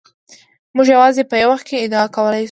موږ یوازې په یو وخت کې ادعا کولای شو.